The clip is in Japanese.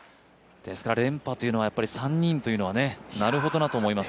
ですから連覇というのは３人というのはなるほどなと思います。